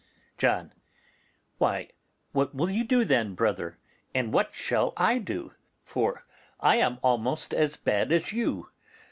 John. Why, what will you do then, brother? And what shall I do? for I am almost as bad as you.